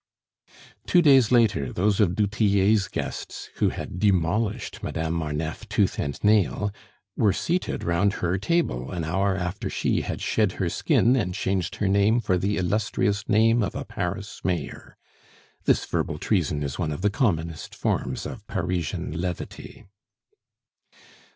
Two days later those of du Tillet's guests who had demolished Madame Marneffe tooth and nail, were seated round her table an hour after she has shed her skin and changed her name for the illustrious name of a Paris mayor. This verbal treason is one of the commonest forms of Parisian levity.